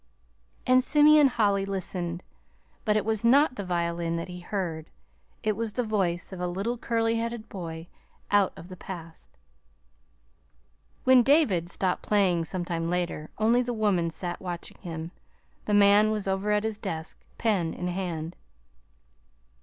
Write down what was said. And Simeon Holly listened but it was not the violin that he heard. It was the voice of a little curly headed boy out of the past. When David stopped playing some time later, only the woman sat watching him the man was over at his desk, pen in hand.